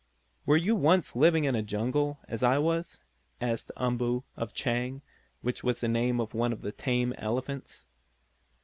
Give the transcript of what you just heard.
"Were you once living in the jungle, as I was?" asked Umboo of Chang, which was the name of one of the tame elephants.